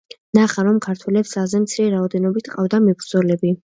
ნახა, რომ ქართველებს ძალზე მცირე რაოდენობით ჰყავდათ მებრძოლები.